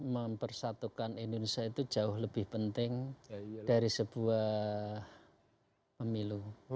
mempersatukan indonesia itu jauh lebih penting dari sebuah pemilu